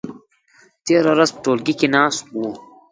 تېره ورځ په ټولګي کې ناست وو.